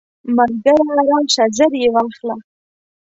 مرګیه راشه زر یې واخله.